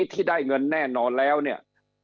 ที่ได้เงินแน่นอนแล้วเนี่ย